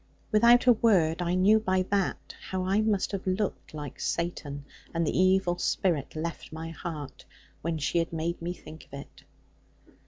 Without a word, I knew by that, how I must have looked like Satan; and the evil spirit left my heart; when she had made me think of it.